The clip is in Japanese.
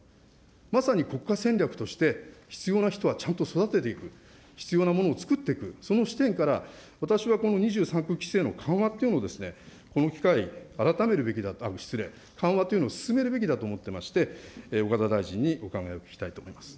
まさに国家戦略として、必要な人はちゃんと育てていく、必要なものを作っていく、その視点から、私はこの２３区規制の緩和っていうのをですね、この機会、改めるべきだ、失礼、緩和というのを進めるべきだと思ってまして、岡田大臣にお考えを聞きたいと思います。